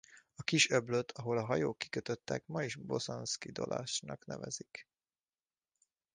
A kis öblöt ahol a hajók kikötöttek ma is Bosanski Dolacnak nevezik.